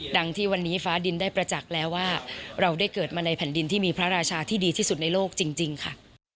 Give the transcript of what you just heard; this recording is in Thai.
ดังที่วันนี้ฟ้าดินได้ประจักษ์แล้วว่าเราได้เกิดมาในแผ่นดินที่มีพระราชาที่ดีที่สุดในโลกจริงค่ะ